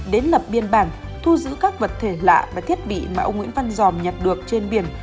đến lập biên bản thu giữ các vật thể lạ và thiết bị mà ông nguyễn văn giòn nhặt được trên biển